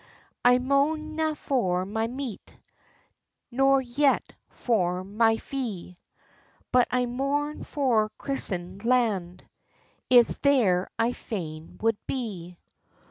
I moan na for my meat, Nor yet for my fee, But I mourn for Christened land— It's there I fain would be.